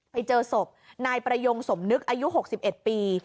ไปเจอศพนายประยงสมนึกอายุ๖๑ปี